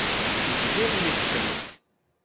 Tegliḍ yes-sent.